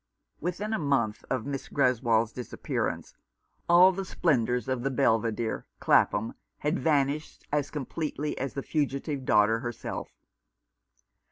Within a month of Miss Greswold's disappear ance all the splendours of the Belvidere, Clapham, had vanished as completely as the fugitive daughter herself.